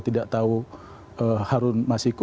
tidak tahu harun masiku